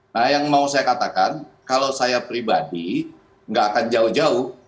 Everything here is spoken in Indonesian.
nah yang mau saya katakan kalau saya pribadi nggak akan jauh jauh